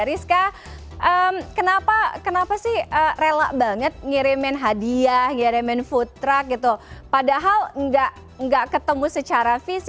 rizka kenapa sih rela banget ngirimin hadiah ngirimin futra gitu padahal gak ketemu secara visi